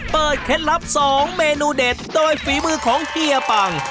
เคล็ดลับ๒เมนูเด็ดโดยฝีมือของเฮียปัง